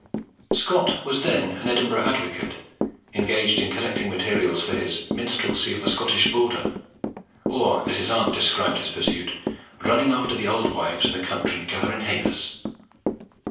Scott was then an Edinburgh advocate, engaged in collecting materials for his Minstrelsy of the Scottish Border, or, as his aunt described his pursuit, "running after the auld wives of the country gatherin' havers."